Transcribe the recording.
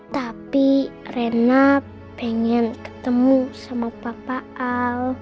tapi rena pengen ketemu sama papa al